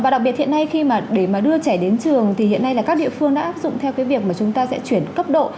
đặc biệt hiện nay khi mà để mà đưa trẻ đến trường thì hiện nay là các địa phương đã áp dụng theo cái việc mà chúng ta sẽ chuyển cấp độ